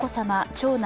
長男・